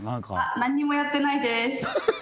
なんにもやってないです。